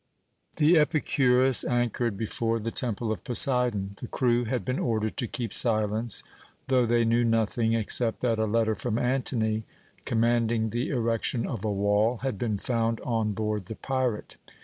The Epicurus anchored before the Temple of Poseidon. The crew had been ordered to keep silence, though they knew nothing, except that a letter from Antony, commanding the erection of a wall, had been found on board the pirate.